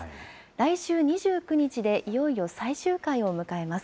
来週２９日でいよいよ最終回を迎えます。